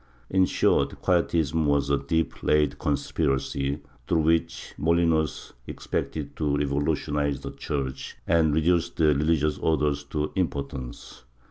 In short, Quietism was a deep laid conspiracy, through which Molinos expected to revolutionize the Church and reduce the religious Orders to impotence.